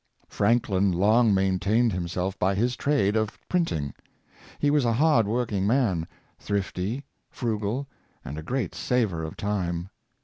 Franklin long maintained himself by his trade of printing. He was a hard working man — thrifty, frugal, and a great saver of time.